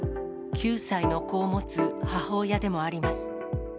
９歳の子を持つ母親でもあります。